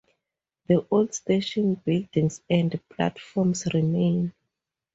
The old station buildings and platforms remain.